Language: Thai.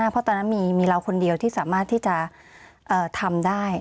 เพราะตอนนั้นมีเราคนเดียวที่สามารถที่จะทำได้